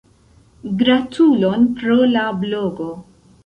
Gratulon pro la blogo.